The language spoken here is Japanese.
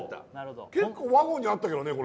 結構ワゴンにあったけどね